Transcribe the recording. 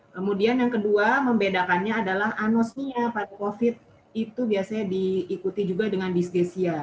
kemudian yang kedua membedakannya adalah anosmia pada covid itu biasanya diikuti juga dengan disgesia